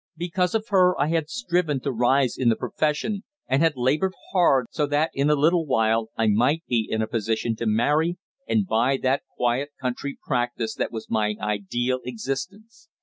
Because of her I had striven to rise in the profession, and had laboured hard so that in a little while I might be in a position to marry and buy that quiet country practice that was my ideal existence.